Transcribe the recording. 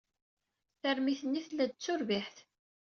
Tarmit-nni tella-d d turbiḥt.